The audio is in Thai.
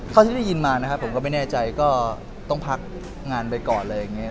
ที่ได้ยินมานะครับผมก็ไม่แน่ใจก็ต้องพักงานไปก่อนอะไรอย่างนี้